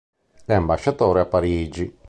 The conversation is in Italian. È ambasciatore a Parigi.